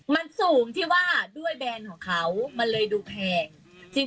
มันสูงที่ว่าด้วยแบรนด์ของเขามันเลยดูแพง